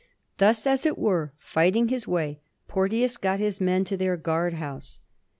Thus, as it were, fight ing his way, Porteous got his men to their guard house.